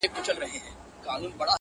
• او حتی نه د عبدالقادر خان خټک -